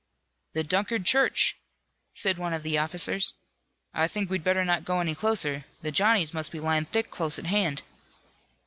"The Dunkard church," said one of the officers. "I think we'd better not go any closer. The Johnnies must be lying thick close at hand."